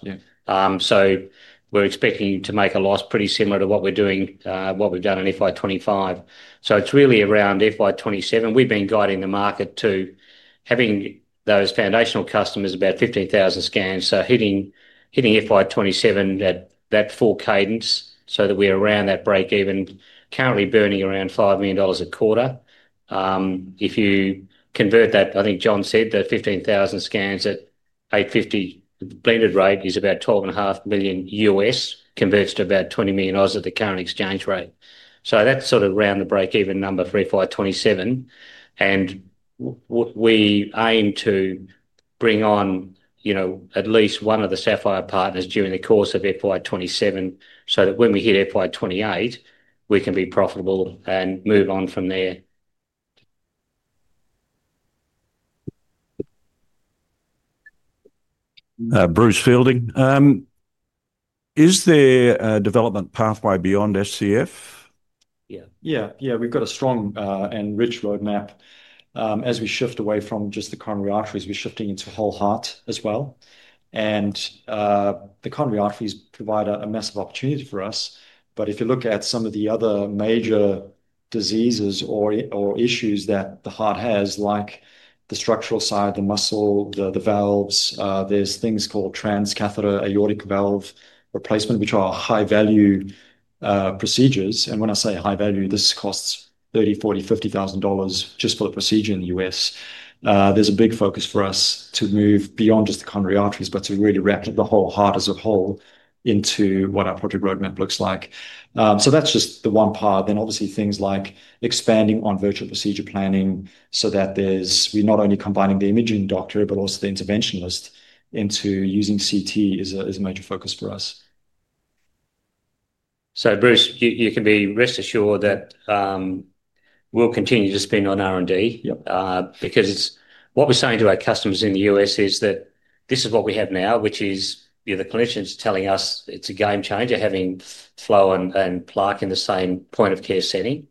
so we're expecting to make a loss pretty similar to what we're doing, what we've done in FY 2025. It is really around FY 2027. We've been guiding the market to having those foundational customers about 15,000 scans. Hitting FY 2027 at that full cadence. That is when we're around that break even. Currently burning around 5 million dollars a quarter if you convert that. I think John said that 15,000 scans at $850 blended rate is about $12.5 million, converts to about 20 million at the current exchange rate. That is sort of around the break-even number for FY 2027. We aim to bring on, you know, at least one of the SAPPHIRE partners during the course of FY 2027 so that when we hit FY 2028 we can be profitable and move on from there. Bruce Fielding, is there a development pathway beyond SCF? Yeah, we've got a strong and rich roadmap. As we shift away from just the coronary arteries, we're shifting into whole heart as well. The coronary arteries provide a massive opportunity for us. If you look at some of the other major diseases or issues that the heart has, like the structural side, the muscle, the valves, there's things called transcatheter aortic valve replacement, which are high value procedures. When I say high value, this costs $30,000-$50,000 just for the procedure in the U.S. There's a big focus for us to move beyond just the coronary arteries, but to really wrap the whole heart as a whole into what our project roadmap looks like. That's just the one part. Then obviously things like expanding on virtual procedure planning so that there's. We're not only combining the imaging doctor but also the interventionist into using CT is a major focus for us. Bruce, you can be rest assured that we'll continue to spend on R&D because it's what we're saying to our customers in the U.S. is that this is what we have now, which is the clinicians telling us it's a game changer having FLO and plaque in the same point of care setting.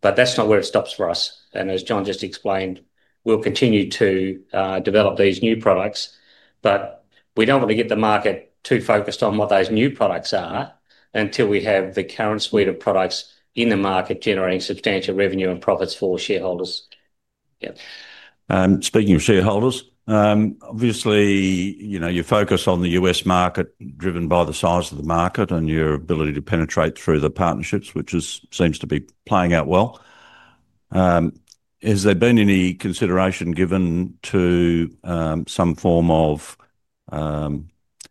That is not where it stops for us. As John just explained, we'll continue to develop these new products, but we don't want to get the market too focused on what those new products are until we have the current suite of products in the market generating substantial revenue and profits for shareholders. Speaking of shareholders, obviously, you know, you focus on the U.S. market driven by the size of the market and your ability to penetrate through the partnerships, which is, seems to be playing out well. Has there been any consideration given to some form of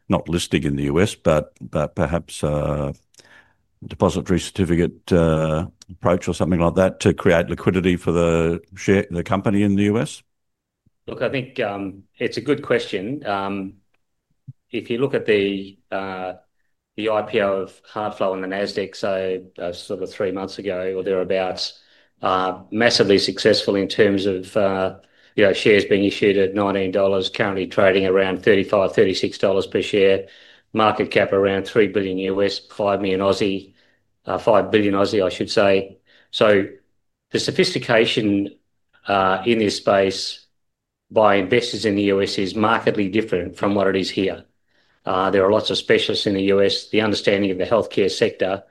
not listing in the U.S. but perhaps depository certificate approach or something like that to create liquidity for the share the company in the U.S. Look, I think it's a good question if you look at the IPO of HeartFlow and the Nasdaq. Sort of three months ago or thereabouts, massively successful in terms of, you know, shares being issued at $19, currently trading around $35-$36 per share, market cap around $3 billion U.S., 5 billion, I should say. The sophistication in this space by investors in the U.S. is markedly different from what it is here. There are lots of specialists in the U.S., the understanding of the healthcare sector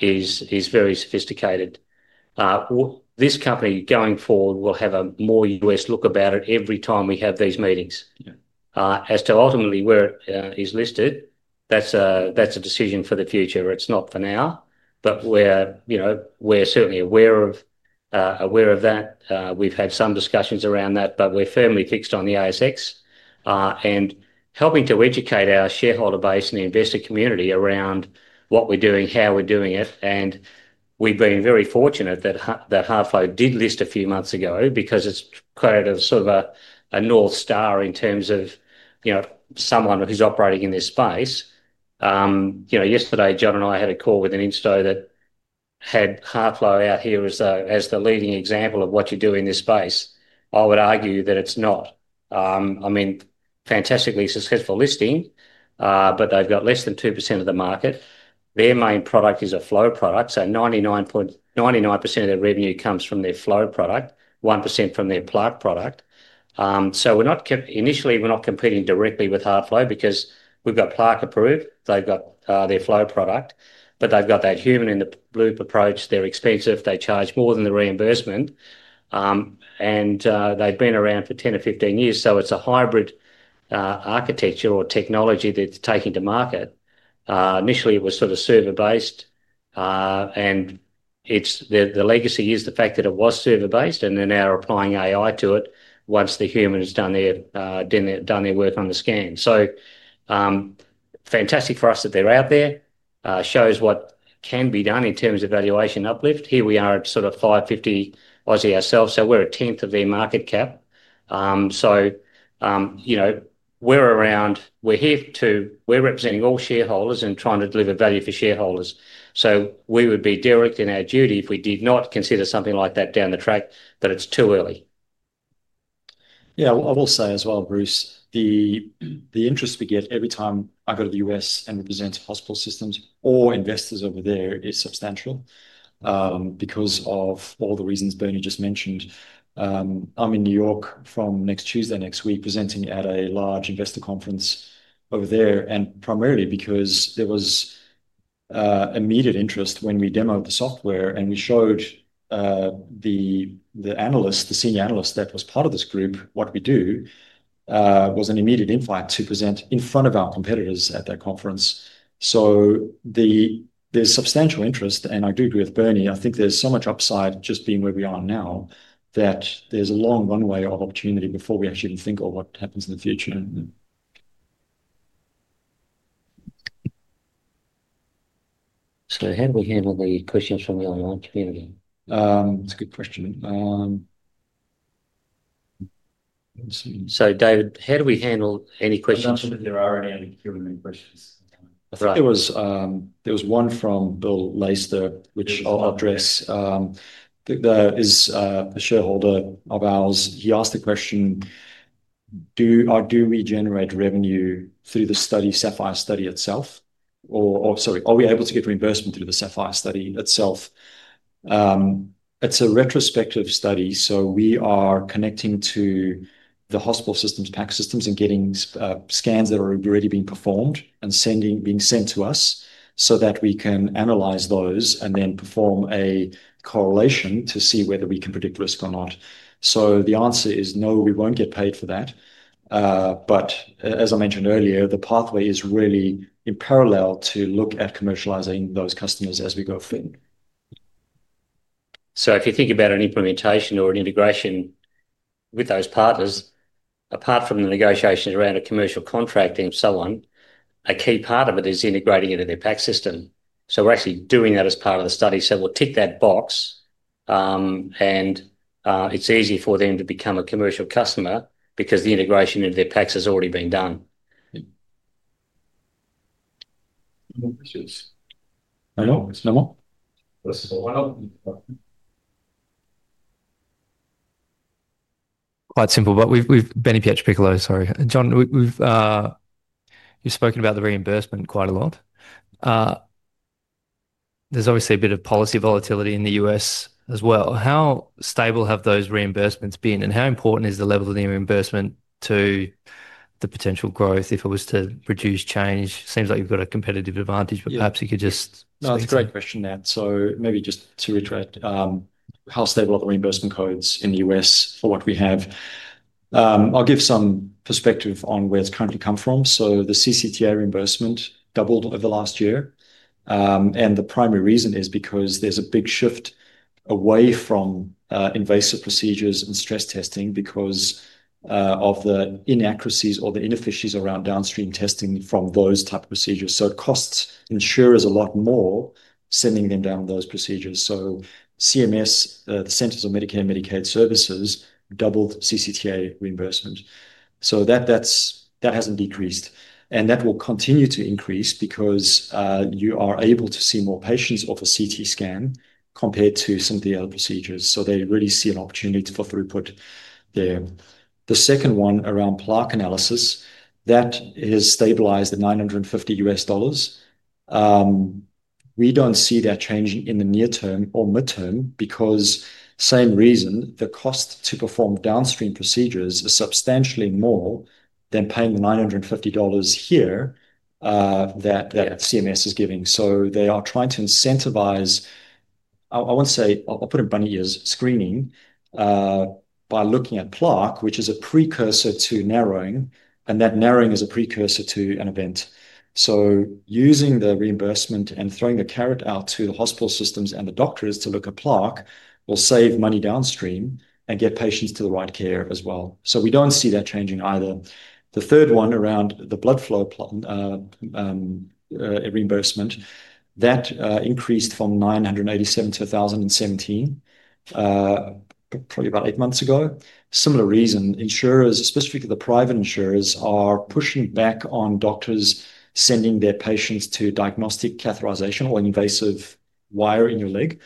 is very sophisticated. This company going forward will have a more U.S. look about it every time we have these meetings as to ultimately where it is listed. That's a decision for the future. It's not for now, but we're, you know, we're certainly aware of, aware of that. We've had some discussions around that, but we're firmly fixed on the ASX and helping to educate our shareholder base and the investor community around what we're doing, how we're doing it. We've been very fortunate that HeartFlow did list a few months ago because it's quite a sort of a North Star in terms of, you know, someone who's operating in this space. You know, yesterday John and I had a call with an insto that had HeartFlow out here as the leading example of what you do in this space. I would argue that it's not, I mean, fantastically successful listing, but they've got less than 2% of the market. Their main product is a flow product. So 99.99% of their revenue comes from their flow product, 1% from their plaque product. We're not initially, we're not competing directly with HeartFlow because we've got plaque approved, they've got their flow product, but they've got that human in the loop approach. They're expensive, they charge more than the reimbursement, and they've been around for 10 or 15 years. It's a hybrid architecture or technology that's taking to market. Initially it was sort of server based and the legacy is the fact that it was server based and they're now applying AI to it. Once the human has done their work on the scan. Fantastic for us that they're out there, shows what can be done in terms of valuation uplift. Here we are at sort of 550 million ourselves. We're a tenth of their market cap. You know, we're around, we're here to. We're representing all shareholders and trying to deliver value for shareholders. We would be derelict in our duty if we did not consider something like that down the track, but it's too early. Yeah. I will say as well, Bruce, the interest we get every time I go to the U.S. and represent hospital systems or investors over there is substantial because of all the reasons Bernie just mentioned. I'm in New York from next Tuesday, next week, presenting at a large investor conference over there. Primarily because there was immediate interest when we demoed the software and we showed the analyst, the senior analyst that was part of this group, what we do, there was an immediate invite to present in front of our competitors at that conference. There's substantial interest. I do agree with Bernie. I think there's so much upside just being where we are now that there's a long runway of opportunity before we actually even think of what happens in the future. How do we handle the questions from the online community? It's a good question. David, how do we handle any questions? Are there any other questions? There was one from Bill Leister, which I'll address. He is a shareholder of ours. He asked the question, do we generate revenue through the SAPPHIRE study itself or, sorry, are we able to get reimbursement through the SAPPHIRE study itself. It's a retrospective study. We are connecting to the hospital systems, PACS systems and getting scans that are already being performed and being sent to us so that we can analyze those and then perform a correlation to see whether we can predict risk or not. The answer is no, we won't get paid for that. As I mentioned earlier, the pathway is really in parallel to look at commercializing those customers as we go forward. If you think about an implementation or an integration with those partners, apart from the negotiations around a commercial contract and so on, a key part of it is integrating into their PACS system. We're actually doing that as part of the study. We'll tick that box and it's easy for them to become a commercial customer because the integration into their PACS has already been done. Quite simple. But we've. Sorry John, you've spoken about the reimbursement quite a lot. There's obviously a bit of policy volatility in the U.S. as well. How stable have those reimbursements been and how important is the level of the reimbursement to the potential growth if it was to reduce or change? Seems like you've got a competitive advantage, but perhaps you could just. No, it's a great question, Nat. Maybe just to retract, how stable are the reimbursement codes in the U.S. for what we have? I'll give some perspective on where it's currently come from. The CCTA reimbursement doubled over the last year and the primary reason is because there's a big shift away from invasive procedures and stress testing because of the inaccuracies or the inefficiencies around downstream testing from those types of procedures. It costs insurers a lot more sending them down those procedures. CMS, the Centers for Medicare and Medicaid Services, doubled CCTA reimbursement. That hasn't decreased and that will continue to increase because you are able to see more patients off a CT scan compared to some of the other procedures. They really see an opportunity for throughput there. The second one around plaque analysis, that has stabilized at $950. We don't see that changing in the near term or midterm because, same reason, the cost to perform downstream procedures is substantially more than paying the $950 here that CMS is giving. They are trying to incentivize—I won't say, I'll put in bunny ears—screening by looking at plaque, which is a precursor to narrowing, and that narrowing is a precursor to an event. Using the reimbursement and throwing the carrot out to the hospital systems and the doctors to look at plaque will save money downstream and get patients to the right care as well. We don't see that changing either. The third one around the blood flow reimbursement, that increased from $987 to $1,017 probably about eight months ago. Similar reason insurers, specifically the private insurers, are pushing back on doctors sending their patients to diagnostic catheterization or invasive wire in your leg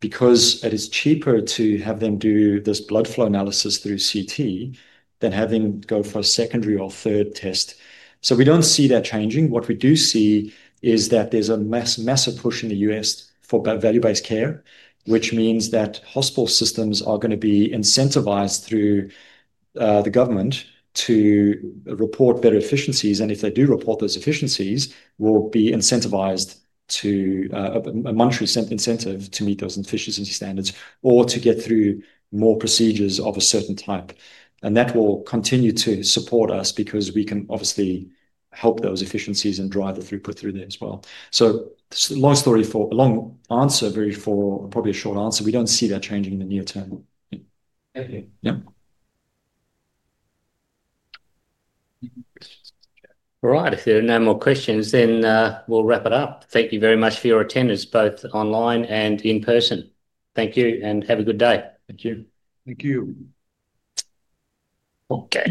because it is cheaper to have them do this blood flow analysis through CT than having go for a secondary or third test. We do not see that changing. What we do see is that there is a massive push in the U.S. for value based care, which means that hospital systems are going to be incentivized through the government to report better efficiencies. If they do report those efficiencies, they will be incentivized to a monetary incentive to meet those efficiency standards or to get through more procedures of a certain type. That will continue to support us because we can obviously help those efficiencies and drive the throughput through there as well. Long story. For a long answer. Very. For probably a short answer, we don't see that changing in the near term. All right, if there are no more questions, then we'll wrap it up. Thank you very much for your attendance both online and in person. Thank you and have a good day. Thank you. Thank you. Okay.